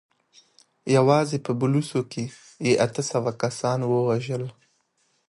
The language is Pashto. يواځې په بلوڅو کې يې اته سوه کسان ووژل.